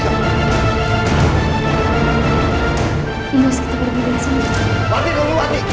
wati tunggu wati